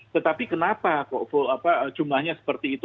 tetapi kenapa kok jumlahnya seperti itu